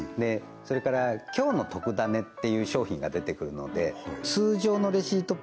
それから今日のトクダネっていう商品が出てくるので通常のレシート